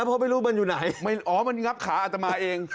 เพราะไม่รู้มันอยู่ไหนอ๋อมันงับขาอัตมาเอง